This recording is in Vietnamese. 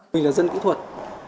mình là dân kỹ thuật